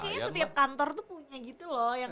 kayaknya setiap kantor tuh punya gitu loh